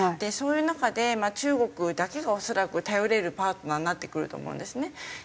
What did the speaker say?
そういう中で中国だけが恐らく頼れるパートナーになってくると思うんですね。